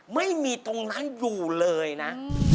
ไม่มีตรงนั้นอยู่เลยนะ